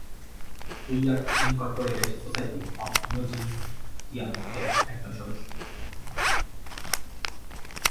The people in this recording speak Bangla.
Wear Incorporated Society of Musicians এর একজন সদস্য।